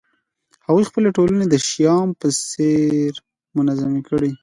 هغوی خپلې ټولنې د شیام په څېر منظمې کړې